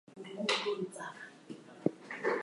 In the past we often had to fight Utopianism and fanaticism.